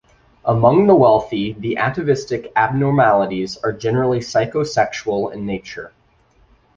Among the wealthy the atavistic abnormalities are generally psychosexual in nature.